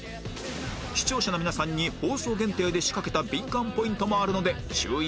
視聴者の皆さんに放送限定で仕掛けたビンカンポイントもあるので注意